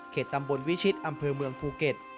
ตำบลวิชิตอำเภอเมืองภูเก็ต